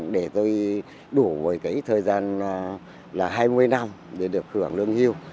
để tôi đủ với cái thời gian là hai mươi năm để được hưởng lương hưu